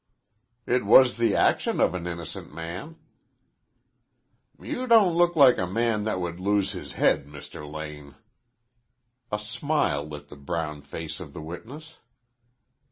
"It was the action of an innocent man." "You don't look like a man that would lose his head, Mr. Lane." A smile lit the brown face of the witness.